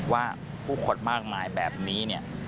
ว่าผู้คนมากมายแบบนี้